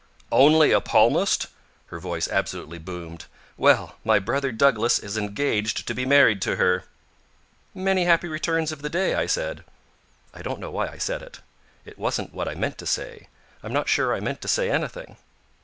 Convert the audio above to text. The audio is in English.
"Only a palmist!" Her voice absolutely boomed. "Well, my brother Douglas is engaged to be married to her." "Many happy returns of the day," I said. I don't know why I said it. It wasn't what I meant to say. I'm not sure I meant to say anything.